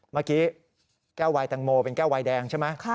เมื่อกี้แก้ววายแตงโมเป็นแก้ววายแดงใช่ไหม